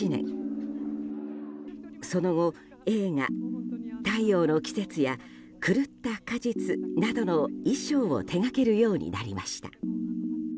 その後、映画「太陽の季節」や「狂った果実」などの衣装を手掛けるようになりました。